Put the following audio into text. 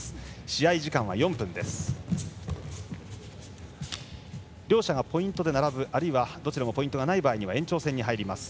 試合時間は４分です。両者がポイントで並ぶあるいはポイントがない場合は延長戦に入ります。